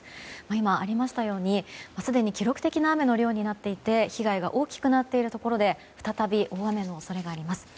今、ありましたようにすでに記録的な雨の量になっていて被害が大きくなっているところで再び大雨の恐れがあります。